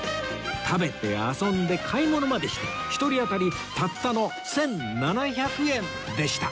食べて遊んで買い物までして１人当たりたったの１７００円でした